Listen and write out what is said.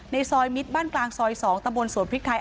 ซอยมิตรบ้านกลางซอย๒ตะบนสวนพริกไทย